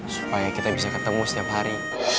supaya kita bisa ketemu setiap hari